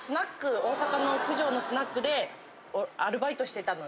大阪の九条のスナックでアルバイトしてたので。